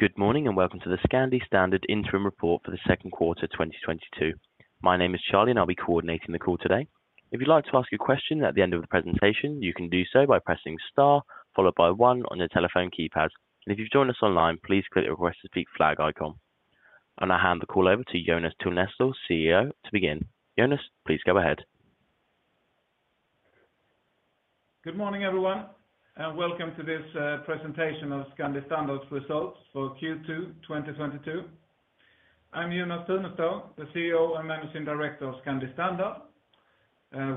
Good morning, and welcome to the Scandi Standard Interim Report for the second quarter 2022. My name is Charlie, and I'll be coordinating the call today. If you'd like to ask a question at the end of the presentation, you can do so by pressing star followed by one on your telephone keypads. If you've joined us online, please click the Request to Speak flag icon. I now hand the call over to Jonas Tunestål, CEO, to begin. Jonas, please go ahead. Good morning, everyone, and welcome to this presentation of Scandi Standard's results for Q2 2022. I'm Jonas Tunestål, the CEO and Managing Director of Scandi Standard.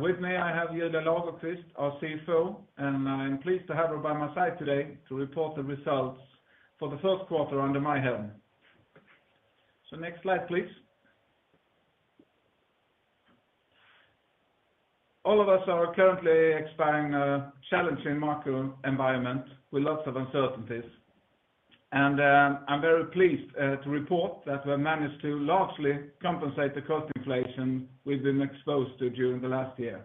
With me, I have Julia Lagerqvist, our CFO, and I'm pleased to have her by my side today to report the results for the first quarter under my helm. Next slide, please. All of us are currently experiencing a challenging macro environment with lots of uncertainties. I'm very pleased to report that we managed to largely compensate the cost inflation we've been exposed to during the last year.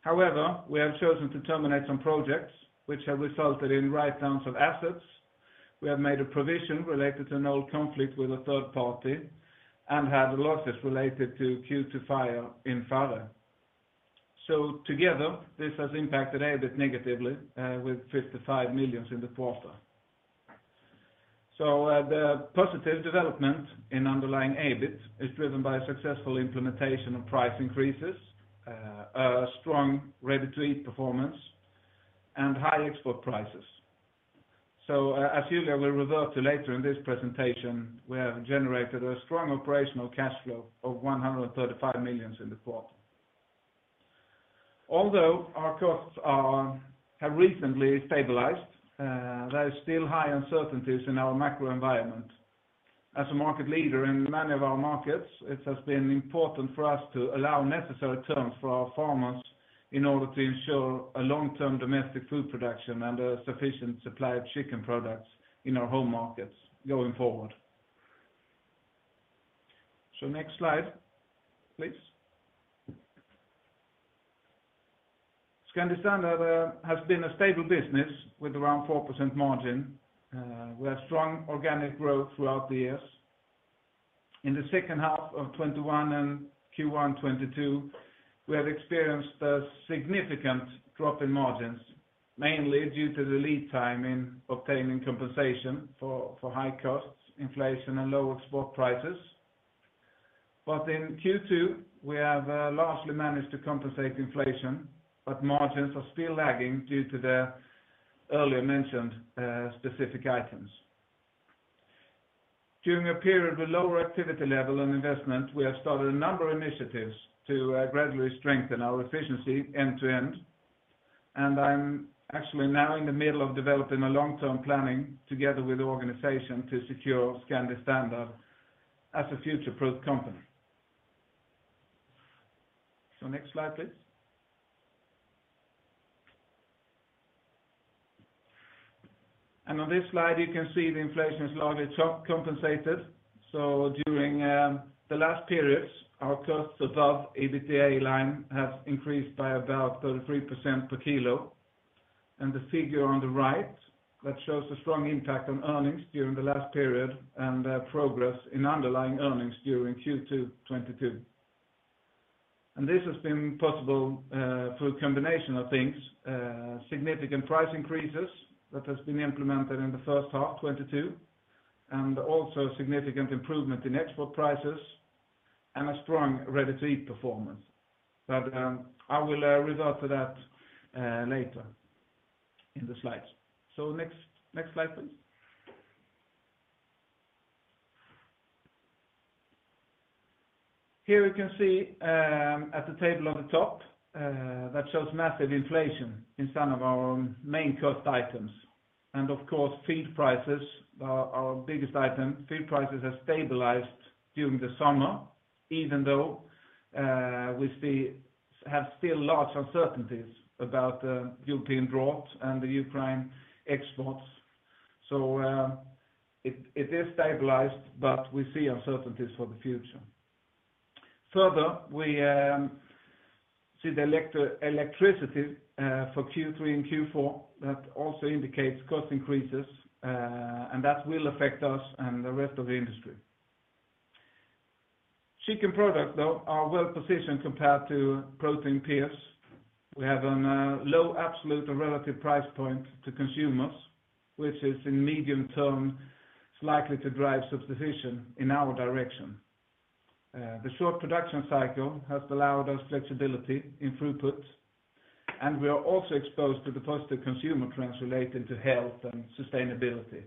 However, we have chosen to terminate some projects which have resulted in write-downs of assets. We have made a provision related to an old conflict with a third party and had losses related to Q2 fire in Farre. Together, this has impacted EBIT negatively with 55 million in the quarter. The positive development in underlying EBIT is driven by a successful implementation of price increases, a strong ready-to-eat performance, and high export prices. As Julia will revert to later in this presentation, we have generated a strong operational cash flow of 135 million in the quarter. Although our costs have recently stabilized, there is still high uncertainties in our macro environment. As a market leader in many of our markets, it has been important for us to allow necessary terms for our farmers in order to ensure a long-term domestic food production and a sufficient supply of chicken products in our home markets going forward. Next slide, please. Scandi Standard has been a stable business with around 4% margin. We have strong organic growth throughout the years. In the second half of 2021 and Q1 2022, we have experienced a significant drop in margins, mainly due to the lead time in obtaining compensation for high costs, inflation, and lower export prices. In Q2, we have largely managed to compensate inflation, but margins are still lagging due to the earlier mentioned specific items. During a period with lower activity level and investment, we have started a number of initiatives to gradually strengthen our efficiency end-to-end. I'm actually now in the middle of developing a long-term planning together with the organization to secure Scandi Standard as a future-proof company. Next slide, please. On this slide, you can see the inflation is largely compensated. During the last periods, our costs above EBITDA line has increased by about 33% per kilo. The figure on the right, that shows a strong impact on earnings during the last period and progress in underlying earnings during Q2 2022. This has been possible through a combination of things, significant price increases that has been implemented in the first half 2022, and also significant improvement in export prices and a strong Ready-to-Eat performance. I will revert to that later in the slides. Next slide, please. Here we can see at the table on the top that shows massive inflation in some of our main cost items. Of course, feed prices, our biggest item, feed prices have stabilized during the summer, even though we have still large uncertainties about European drought and the Ukraine exports. It is stabilized, but we see uncertainties for the future. Further, we see the electricity for Q3 and Q4 that also indicates cost increases, and that will affect us and the rest of the industry. Chicken products, though, are well-positioned compared to protein peers. We have a low absolute and relative price point to consumers, which in medium term is likely to drive substitution in our direction. The short production cycle has allowed us flexibility in throughput, and we are also exposed to the positive consumer trends relating to health and sustainability.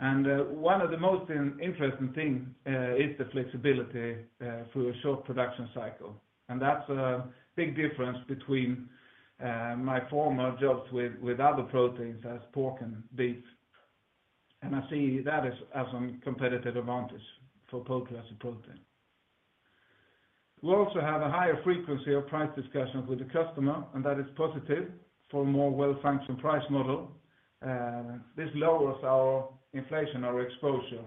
One of the most interesting thing is the flexibility through a short production cycle. That's a big difference between my former jobs with other proteins as pork and beef. I see that as a competitive advantage for poultry as a protein. We also have a higher frequency of price discussions with the customer, and that is positive for a more well-functioning price model. This lowers our inflationary exposure,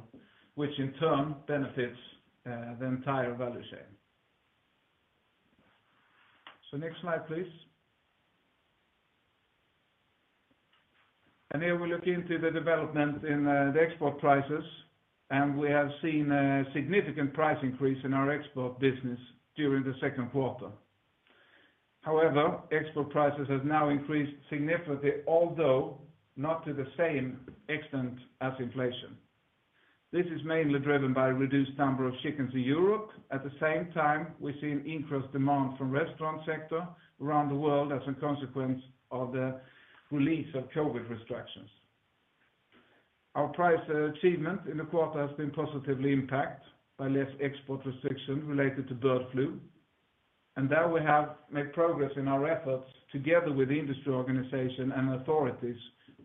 which in turn benefits the entire value chain. Next slide, please. Here we look into the development in the export prices, and we have seen a significant price increase in our export business during the second quarter. However, export prices have now increased significantly, although not to the same extent as inflation. This is mainly driven by reduced number of chickens in Europe. At the same time, we've seen increased demand from restaurant sector around the world as a consequence of the release of COVID restrictions. Our price achievement in the quarter has been positively impacted by less export restrictions related to bird flu. There we have made progress in our efforts together with industry organization and authorities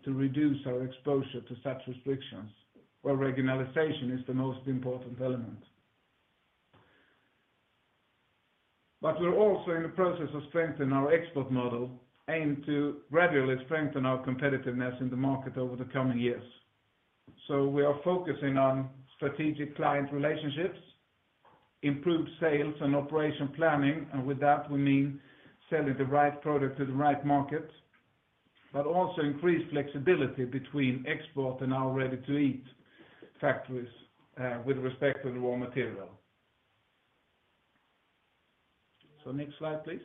to reduce our exposure to such restrictions, where regionalization is the most important element. We're also in the process of strengthening our export model, aimed to gradually strengthen our competitiveness in the market over the coming years. We are focusing on strategic client relationships, improved sales and operation planning, and with that we mean selling the right product to the right market. Also increased flexibility between export and our Ready-to-Eat factories, with respect to the raw material. Next slide, please.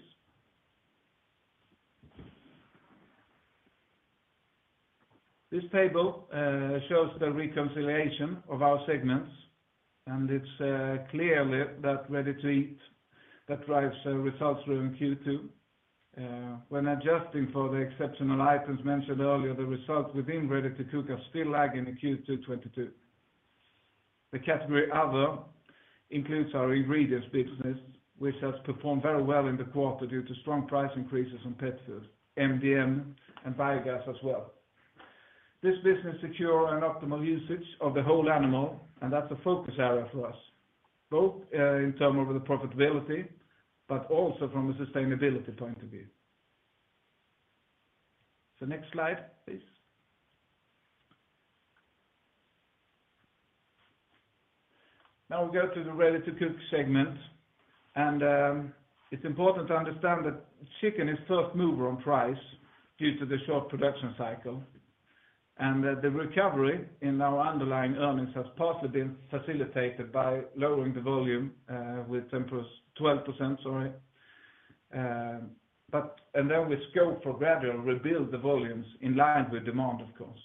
This table shows the reconciliation of our segments, and it's clear that Ready-to-Eat that drives results within Q2. When adjusting for the exceptional items mentioned earlier, the results within Ready-to-Cook are still lagging in Q2 2022. The category other includes our ingredients business, which has performed very well in the quarter due to strong price increases on pet food, MDM, and biogas as well. This business secures an optimal usage of the whole animal, and that's a focus area for us, both in terms of the profitability, but also from a sustainability point of view. Next slide, please. Now we go to the Ready-to-Cook segment. It's important to understand that chicken is first mover on price due to the short production cycle, and that the recovery in our underlying earnings has partly been facilitated by lowering the volume with 12%. We hope to gradually rebuild the volumes in line with demand, of course.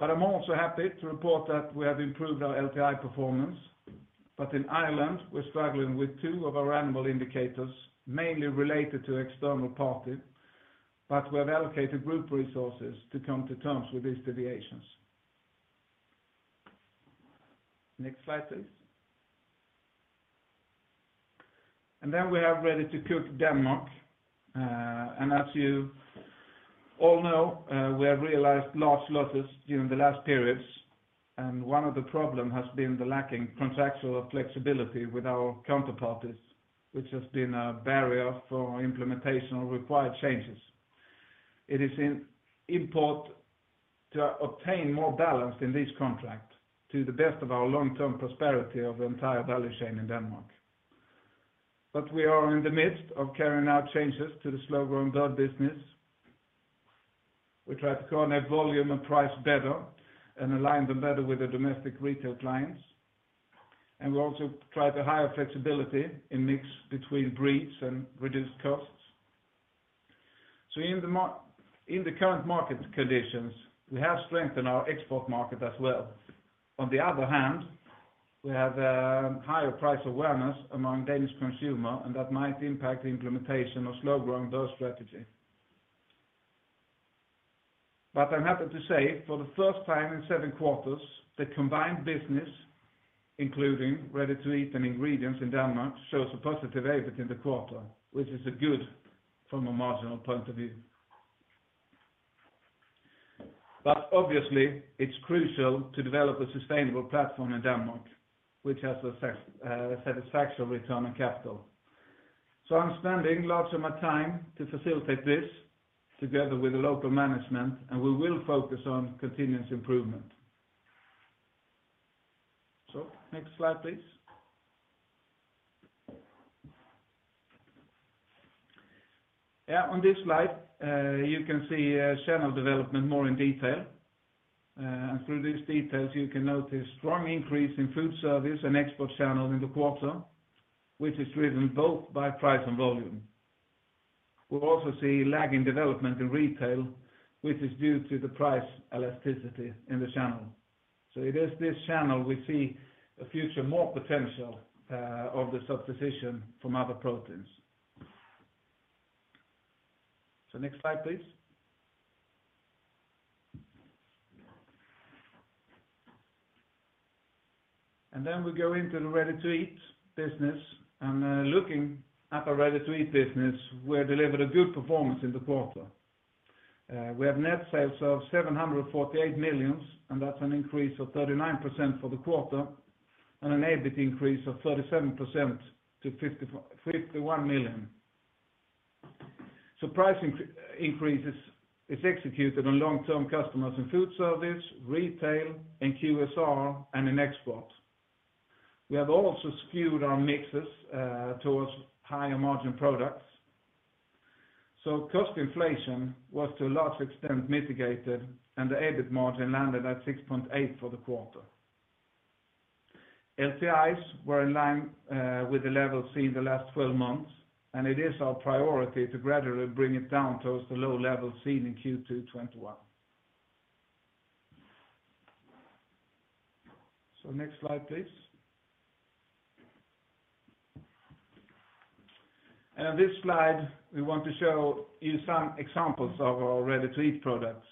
I'm also happy to report that we have improved our LTI performance. In Ireland, we're struggling with two of our animal indicators, mainly related to external parties, but we have allocated group resources to come to terms with these deviations. Next slide, please. Then we have Ready-to-Cook Denmark. As you all know, we have realized large losses during the last periods, and one of the problem has been the lacking contractual flexibility with our counterparties, which has been a barrier for implementation of required changes. It is important to obtain more balance in this contract to the best of our long-term prosperity of the entire value chain in Denmark. We are in the midst of carrying out changes to the slow-growing bird business. We try to coordinate volume and price better and align them better with the domestic retail clients. We also try the higher flexibility in mix between breeds and reduced costs. In the current market conditions, we have strengthened our export market as well. On the other hand, we have higher price awareness among Danish consumers, and that might impact the implementation of slow-growing bird strategy. I'm happy to say, for the first time in seven quarters, the combined business, including ready-to-eat and ingredients in Denmark, shows a positive EBIT in the quarter, which is good from a margin point of view. Obviously, it's crucial to develop a sustainable platform in Denmark, which has a satisfactory return on capital. I'm spending lots of my time to facilitate this together with the local management, and we will focus on continuous improvement. Next slide, please. Yeah, on this slide, you can see channel development more in detail. Through these details, you can notice strong increase in food service and export channels in the quarter, which is driven both by price and volume. We also see lagging development in retail, which is due to the price elasticity in the channel. It is this channel we see more future potential of the substitution from other proteins. Next slide, please. We go into the ready-to-eat business. Looking at our ready-to-eat business, we delivered a good performance in the quarter. We have net sales of 748 million, and that's an increase of 39% for the quarter and an EBIT increase of 37% to 51 million. Price increases is executed on long term customers in food service, retail and QSR and in export. We have also skewed our mixes towards higher margin products. Cost inflation was to a large extent mitigated and the EBIT margin landed at 6.8% for the quarter. LTIs were in line with the levels seen in the last 12 months, and it is our priority to gradually bring it down towards the low levels seen in Q2 2021. Next slide, please. On this slide, we want to show you some examples of our Ready-to-Eat products.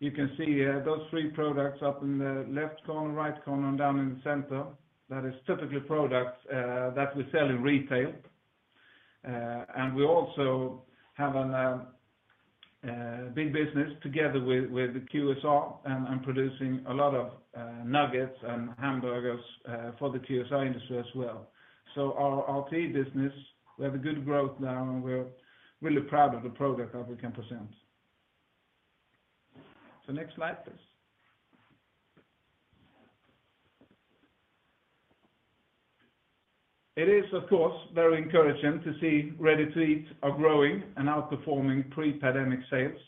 You can see those three products up in the left corner, right corner and down in the center. That is typically products that we sell in retail. We also have a big business together with the QSR and producing a lot of nuggets and hamburgers for the QSR industry as well. Our RT business, we have a good growth now, and we're really proud of the product that we can present. Next slide, please. It is, of course, very encouraging to see Ready-to-Eat are growing and outperforming pre-pandemic sales.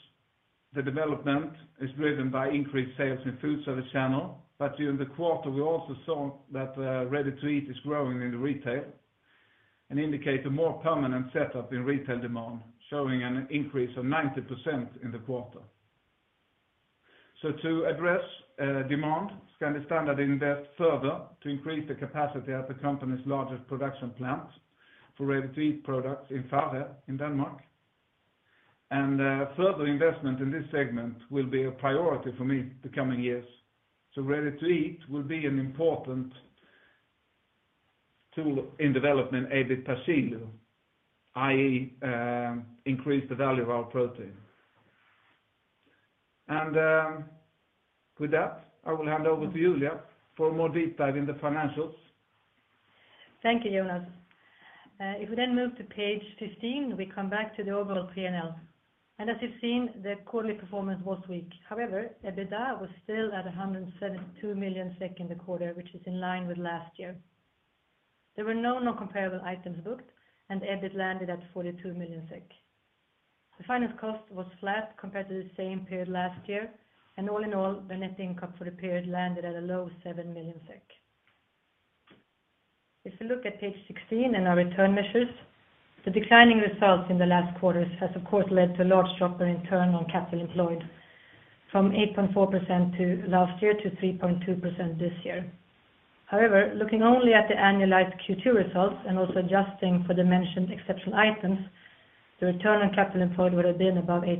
The development is driven by increased sales in food service channel. During the quarter, we also saw that Ready-to-Eat is growing in the retail and indicate a more permanent setup in retail demand, showing an increase of 90% in the quarter. To address demand, Scandi Standard invest further to increase the capacity at the company's largest production plant for Ready-to-Eat products in Farre in Denmark. Further investment in this segment will be a priority for me the coming years. Ready-to-Eat will be an important tool in developing EBIT per kilo, i.e., increase the value of our protein. With that, I will hand over to Julia for more deep dive in the financials. Thank you, Jonas. If we then move to page 15, we come back to the overall P&L. As you've seen, the quarterly performance was weak. However, EBITDA was still at 172 million SEK in the quarter, which is in line with last year. There were no non-comparable items booked, and EBIT landed at 42 million SEK. The finance cost was flat compared to the same period last year, and all in all, the net income for the period landed at a low 7 million SEK. If you look at page 16 and our return measures, the declining results in the last quarters has of course led to a large drop in return on capital employed from 8.4% last year to 3.2% this year. However, looking only at the annualized Q2 results and also adjusting for the mentioned exceptional items, the return on capital employed would have been above 8%.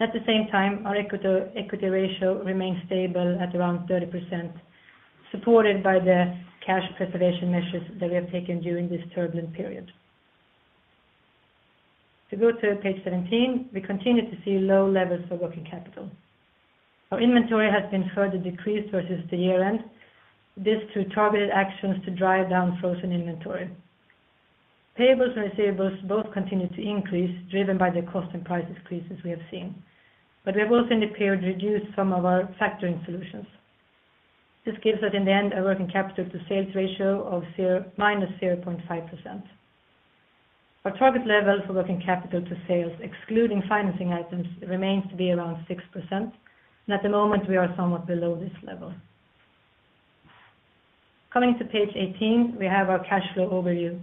At the same time, our equity ratio remains stable at around 30%, supported by the cash preservation measures that we have taken during this turbulent period. If we go to page 17. We continue to see low levels for working capital. Our inventory has been further decreased versus the year-end. This through targeted actions to drive down frozen inventory. Payables and receivables both continue to increase, driven by the cost and price increases we have seen. We have also in the period reduced some of our factoring solutions. This gives us in the end a working capital to sales ratio of -0.5%. Our target level for working capital to sales, excluding financing items, remains to be around 6%, and at the moment we are somewhat below this level. Coming to page 18, we have our cash flow overview.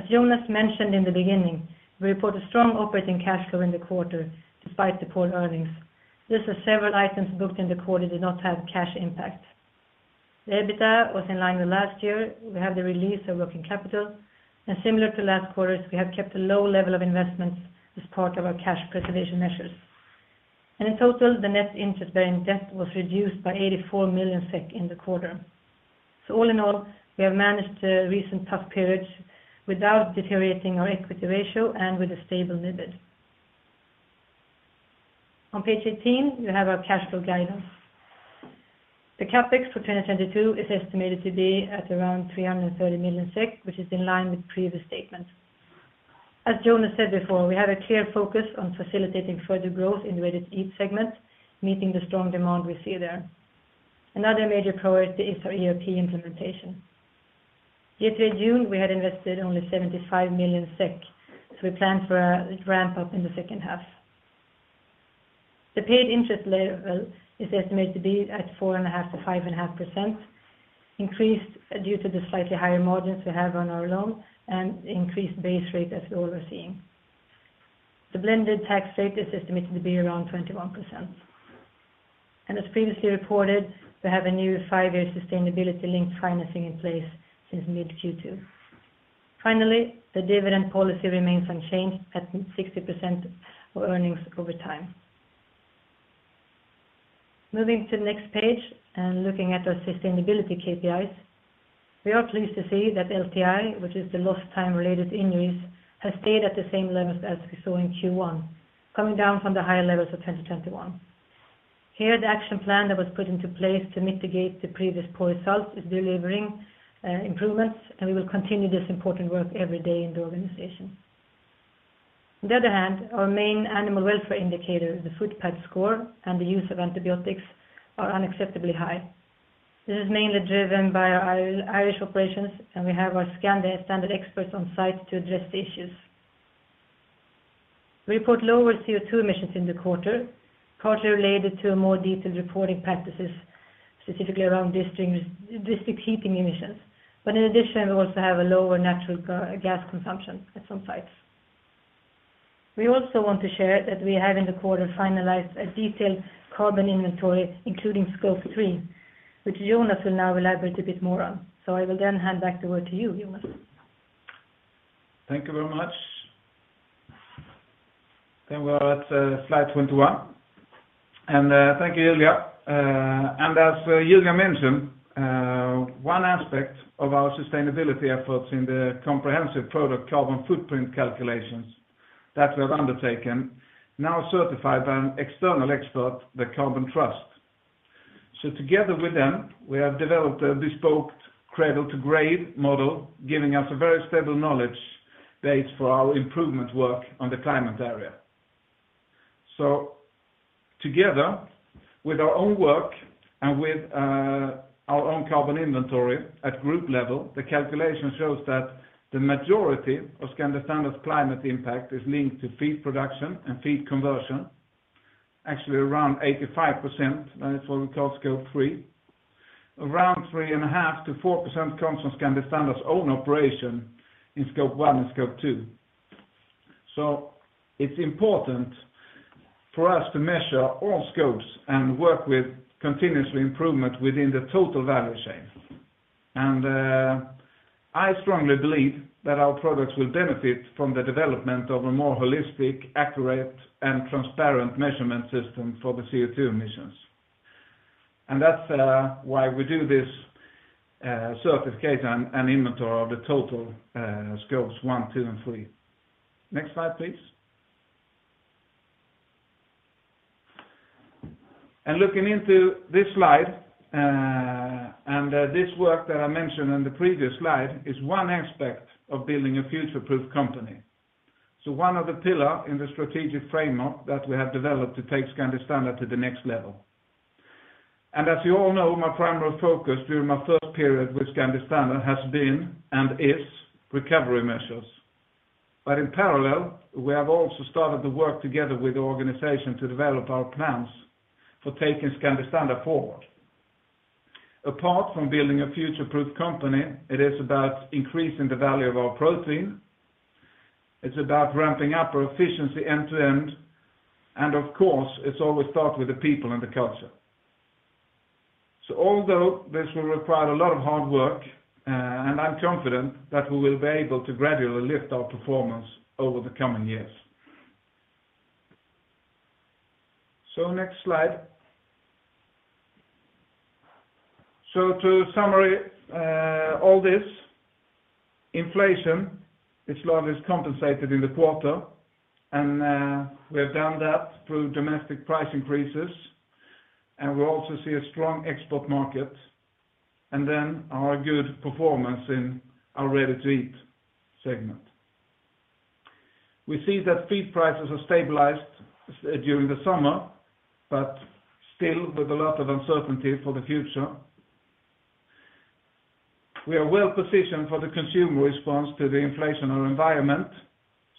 As Jonas mentioned in the beginning, we report a strong operating cash flow in the quarter despite the poor earnings. This, as several items booked in the quarter did not have cash impact. The EBITDA was in line with last year. We have the release of working capital, and similar to last quarters, we have kept a low level of investments as part of our cash preservation measures. In total, the net interest bearing debt was reduced by 84 million SEK in the quarter. All in all, we have managed the recent tough periods without deteriorating our equity ratio and with a stable EBIT. On page 18, we have our cash flow guidance. The CapEx for 2022 is estimated to be at around 330 million SEK, which is in line with previous statements. As Jonas said before, we have a clear focus on facilitating further growth in ready-to-eat segments, meeting the strong demand we see there. Another major priority is our ERP implementation. Year-to-date June, we had invested only 75 million SEK, so we plan for a ramp up in the second half. The paid interest level is estimated to be at 4.5%-5.5%, increased due to the slightly higher margins we have on our loan and increased base rate as we all are seeing. The blended tax rate is estimated to be around 21%. As previously reported, we have a new five-year sustainability-linked financing in place since mid Q2. Finally, the dividend policy remains unchanged at 60% of earnings over time. Moving to the next page and looking at our sustainability KPIs, we are pleased to see that LTI, which is the lost time related injuries, has stayed at the same levels as we saw in Q1, coming down from the higher levels of 2021. Here, the action plan that was put into place to mitigate the previous poor results is delivering improvements, and we will continue this important work every day in the organization. On the other hand, our main animal welfare indicator, the foot pad score and the use of antibiotics are unacceptably high. This is mainly driven by our Irish operations, and we have our Scandi Standard experts on site to address the issues. We put lower CO₂ emissions in the quarter, partly related to more detailed reporting practices, specifically around distinct heating emissions. In addition, we also have a lower natural gas consumption at some sites. We also want to share that we have in the quarter finalized a detailed carbon inventory, including Scope three, which Jonas will now elaborate a bit more on. I will then hand back the word to you, Jonas. Thank you very much. We're at slide 21. Thank you, Julia. As Julia mentioned, one aspect of our sustainability efforts in the comprehensive product carbon footprint calculations that we've undertaken now certified by an external expert, the Carbon Trust. Together with them, we have developed a bespoke cradle-to-gate model, giving us a very stable knowledge base for our improvement work on the climate area. Together with our own work and with our own carbon inventory at group level, the calculation shows that the majority of Scandi Standard's climate impact is linked to feed production and feed conversion, actually around 85%, and it's what we call Scope three. Around 3.5%-4% comes from Scandi Standard's own operation in Scope one and Scope two. It's important for us to measure all Scopes and work with continuous improvement within the total value chain. I strongly believe that our products will benefit from the development of a more holistic, accurate, and transparent measurement system for the CO₂ emissions. That's why we do this certification and inventory of the total Scopes one, two, and three. Next slide, please. Looking into this slide, this work that I mentioned on the previous slide is one aspect of building a future-proof company. One of the pillar in the strategic framework that we have developed to take Scandi Standard to the next level. As you all know, my primary focus during my first period with Scandi Standard has been and is recovery measures. In parallel, we have also started the work together with the organization to develop our plans for taking Scandi Standard forward. Apart from building a future-proof company, it is about increasing the value of our protein. It's about ramping up our efficiency end to end. Of course, it's always start with the people and the culture. Although this will require a lot of hard work, and I'm confident that we will be able to gradually lift our performance over the coming years. Next slide. To summary, all this, inflation is largely compensated in the quarter, and we have done that through domestic price increases, and we also see a strong export market, and then our good performance in our ready-to-eat segment. We see that feed prices have stabilized during the summer, but still with a lot of uncertainty for the future. We are well positioned for the consumer response to the inflationary environment,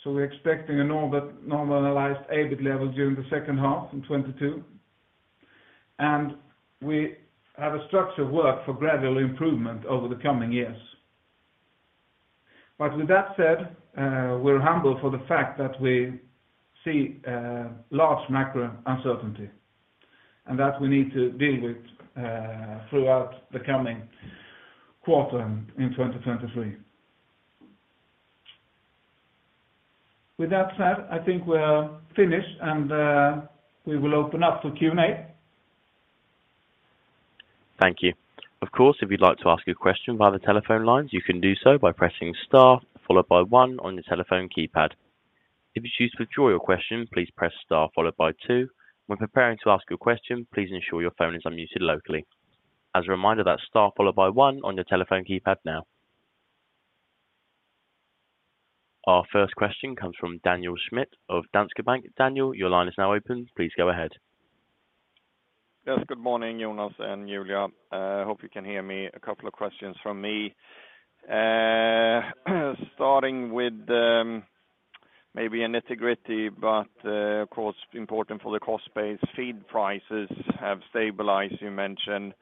so we're expecting a normalized EBIT level during the second half in 2022. We have a structured work for gradual improvement over the coming years. With that said, we're humble for the fact that we see large macro uncertainty and that we need to deal with throughout the coming quarter in 2023. With that said, I think we're finished, and we will open up for Q&A. Thank you. Of course, if you'd like to ask a question via the telephone lines, you can do so by pressing star followed by one on your telephone keypad. If you choose to withdraw your question, please press star followed by two. When preparing to ask your question, please ensure your phone is unmuted locally. As a reminder, that's star followed by one on your telephone keypad now. Our first question comes from Daniel Schmidt of Danske Bank. Daniel, your line is now open. Please go ahead. Yes. Good morning, Jonas and Julia. Hope you can hear me. A couple of questions from me. Starting with, maybe a nitty-gritty but, of course, important for the cost base. Feed prices have stabilized, you mentioned.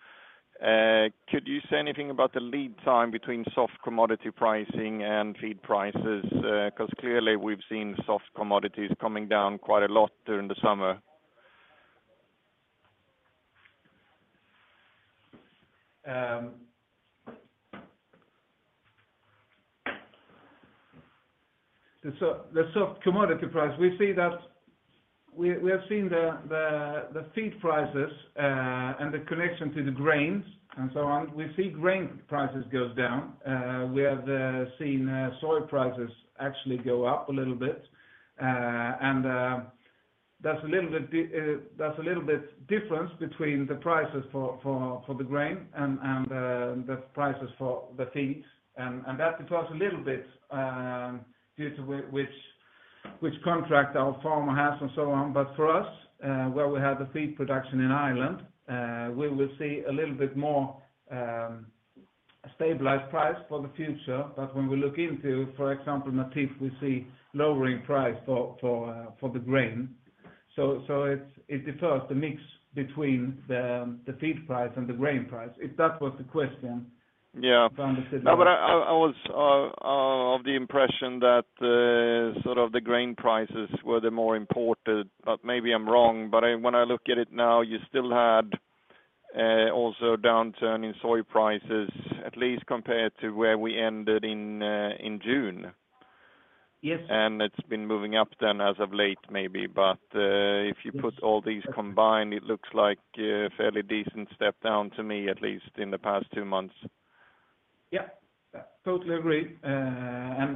Could you say anything about the lead time between soft commodity pricing and feed prices? Because clearly we've seen soft commodities coming down quite a lot during the summer. The soft commodity price, we see that. We have seen the feed prices and the connection to the grains and so on. We see grain prices goes down. We have seen soy prices actually go up a little bit. That's a little bit difference between the prices for the grain and the prices for the feeds. That it was a little bit due to which contract our farmer has and so on. For us, where we have the feed production in Ireland, we will see a little bit more stabilized price for the future. When we look into, for example, Lantmännen we see lowering price for the grain. It differs the mix between the feed price and the grain price, if that was the question. Yeah. If I understood that. No, but I was of the impression that sort of the grain prices were the more important, but maybe I'm wrong. When I look at it now, you still had also downturn in soy prices, at least compared to where we ended in June. Yes. It's been moving up then as of late, maybe. Yes. If you put all these combined, it looks like a fairly decent step down to me, at least in the past two months. Yeah. Totally agree. As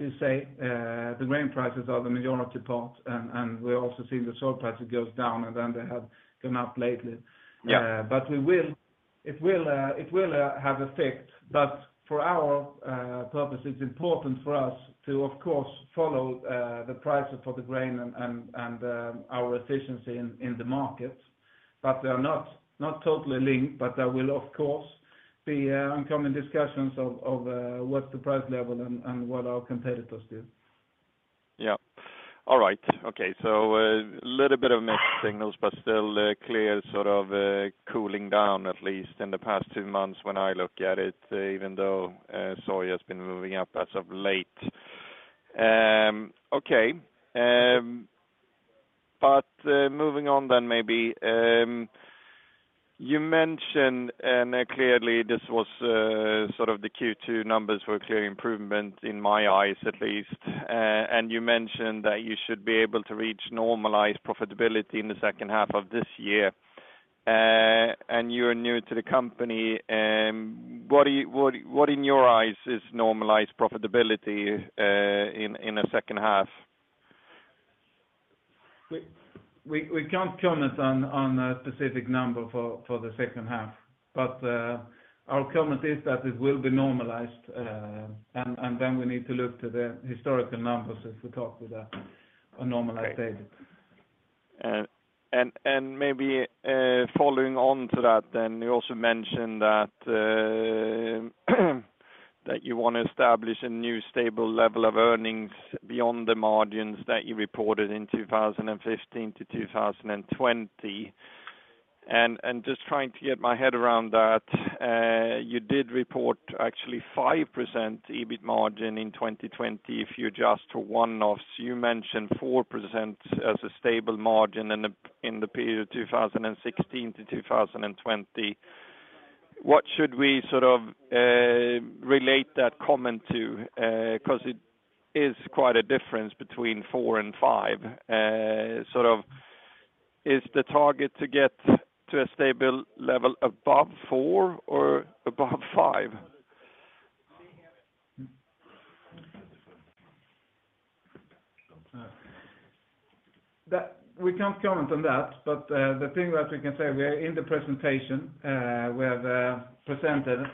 you say, the grain prices are the majority part, and we're also seeing the soy prices goes down, and then they have gone up lately. Yeah. It will have effect. For our purpose, it's important for us to of course follow the prices for the grain and our efficiency in the markets. They are not totally linked, but there will of course be ongoing discussions of what's the price level and what our competitors do. A little bit of mixed signals, but still a clear sort of cooling down, at least in the past two months when I look at it, even though soya has been moving up as of late. Okay. Moving on maybe. You mentioned, clearly this was sort of the Q2 numbers were clear improvement in my eyes at least. You mentioned that you should be able to reach normalized profitability in the second half of this year. You're new to the company, what in your eyes is normalized profitability in the second half? We can't comment on a specific number for the second half. Our comment is that it will be normalized, and then we need to look to the historical numbers as we talk to a normalized state. Maybe following on to that then, you also mentioned that you wanna establish a new stable level of earnings beyond the margins that you reported in 2015-2020. Just trying to get my head around that, you did report actually 5% EBIT margin in 2020 if you adjust for one-offs. You mentioned 4% as a stable margin in the period 2016-2020. What should we sort of relate that comment to? Because it is quite a difference between four and five. Sort of is the target to get to a stable level above four or above five? We can't comment on that, but the thing that we can say, we are in the presentation, we have presented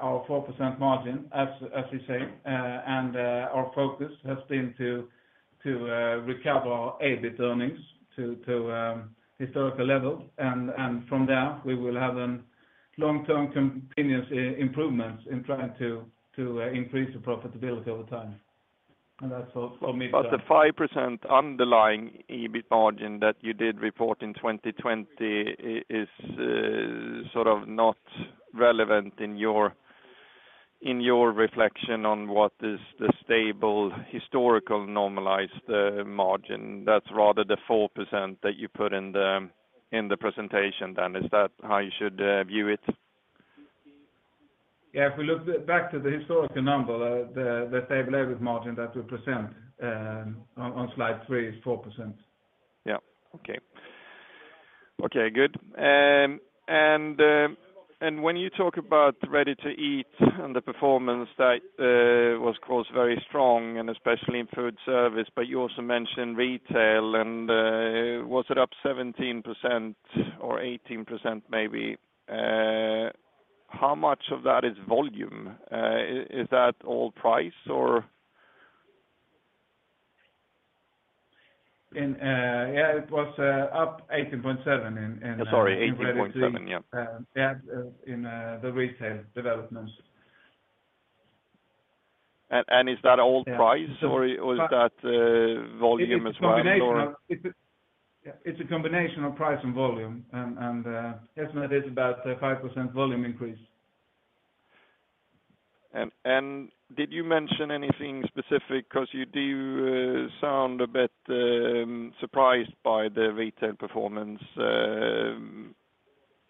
our 4% margin, as you say. Our focus has been to recover our EBIT earnings to historical levels. From there, we will have a long-term continuous improvements in trying to increase the profitability over time. That's all for me. The 5% underlying EBIT margin that you did report in 2020 is sort of not relevant in your reflection on what is the stable historical normalized margin. That's rather the 4% that you put in the presentation then. Is that how you should view it? Yeah, if we look back to the historical number, the stable EBIT margin that we present on slide three is 4%. When you talk about Ready-to-Eat and the performance that was of course very strong and especially in food service, but you also mentioned retail and, was it up 17% or 18% maybe? How much of that is volume? Is that all price or? Yeah, it was up 18.7% in. Sorry, 18.7. Yeah. Yeah. In the retail developments. Is that all price or is that volume as well? It's a combination of price and volume and estimate is about 5% volume increase. Did you mention anything specific because you do sound a bit surprised by the retail performance?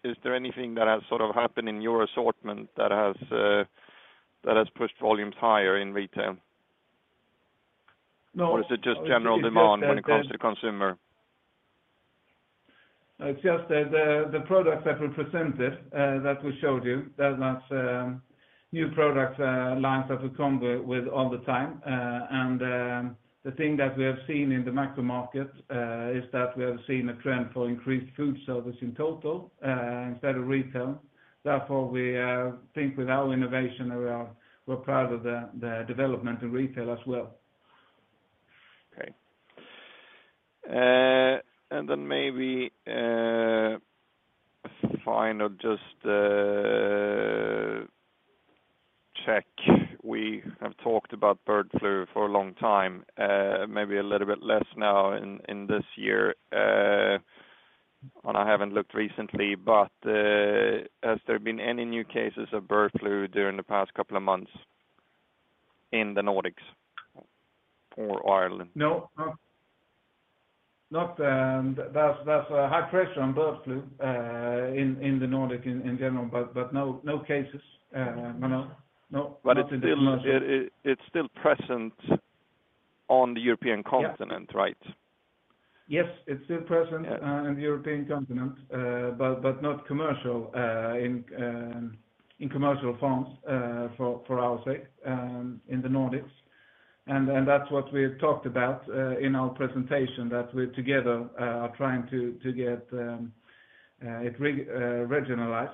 Is there anything that has sort of happened in your assortment that has pushed volumes higher in retail? No. Is it just general demand when it comes to consumer? It's just that the products that we presented that we showed you, that's new product lines that we come with all the time. The thing that we have seen in the macro market is that we have seen a trend for increased food service in total instead of retail. Therefore, we think with our innovation that we're part of the development in retail as well. Okay. Then maybe final just check. We have talked about bird flu for a long time, maybe a little bit less now in this year, and I haven't looked recently, but has there been any new cases of bird flu during the past couple of months in the Nordics or Ireland? No. Not, that's a high pressure on bird flu in the Nordic in general, but no cases. No. It's still present on the European continent, right? Yes. It's still present in the European continent, but not commercial in commercial farms for our sake in the Nordics. That's what we talked about in our presentation that we together are trying to get it regionalized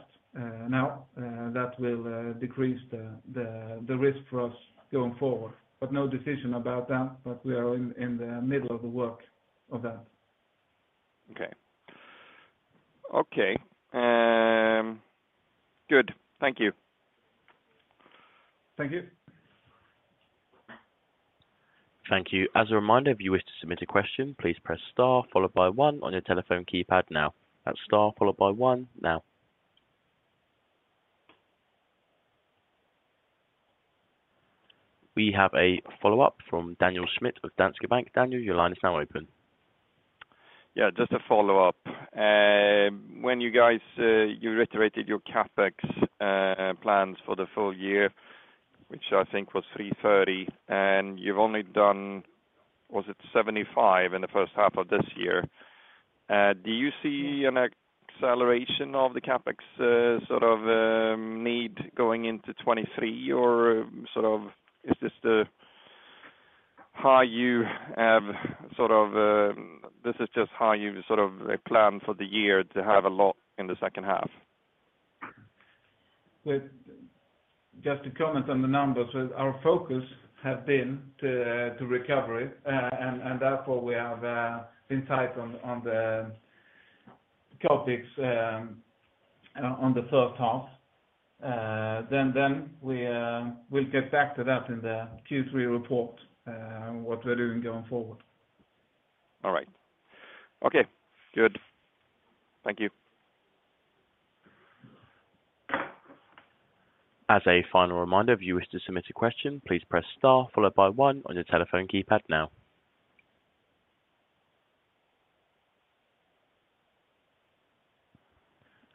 now, that will decrease the risk for us going forward. No decision about that. We are in the middle of the work of that. Okay. Good. Thank you. Thank you. Thank you. As a reminder, if you wish to submit a question, please press star followed by one on your telephone keypad now. That's star followed by one now. We have a follow-up from Daniel Schmidt of Danske Bank. Daniel, your line is now open. Yeah, just a follow-up. When you guys reiterated your CapEx plans for the full year, which I think was 330, and you've only done, was it 75 in the first half of this year. Do you see an acceleration of the CapEx sort of need going into 2023 or sort of is this how you have sort of this is just how you sort of plan for the year to have a lot in the second half? Just to comment on the numbers, our focus has been to recovery. Therefore we have been tight on the CapEx on the first half. We'll get back to that in the Q3 report, what we're doing going forward. All right. Okay, good. Thank you. As a final reminder, if you wish to submit a question, please press star followed by one on your telephone keypad now.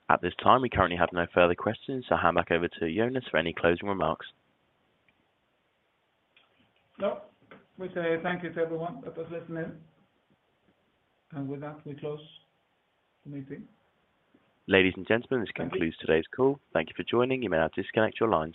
At this time, we currently have no further questions, so I'll hand back over to Jonas for any closing remarks. No. We say thank you to everyone that was listening. With that, we close the meeting. Ladies and gentlemen, this concludes today's call. Thank you for joining. You may now disconnect your lines.